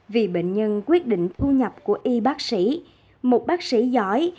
vì bệnh nhân quyết định thu nhập của y bác sĩ một bác sĩ giỏi